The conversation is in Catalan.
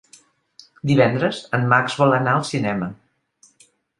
Divendres en Max vol anar al cinema.